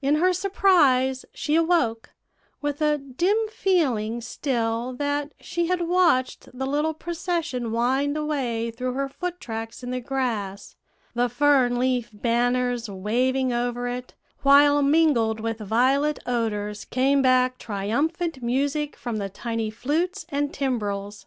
In her surprise, she awoke, with a dim feeling still that she had watched the little procession wind away through her foot tracks in the grass, the fern leaf banners waving over it, while mingled with violet odors came back triumphant music from the tiny flutes and timbrels.